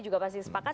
juga pasti sepakat